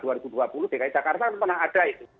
dki jakarta pernah ada itu